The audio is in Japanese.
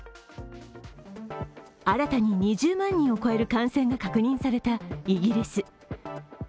新たに２０万人を超える感染が確認されたイギリス。